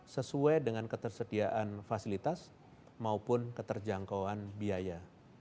sesuai dengan ketersediaan fasilitas maupun keterjangkauan biaya